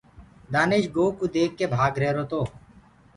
دآيش گو ڪوُ ديک ڪي ڀآگ رهيرو تو۔